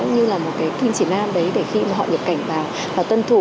như là một cái kinh chỉ nam đấy để khi mà họ nhập cảnh vào và tân thủ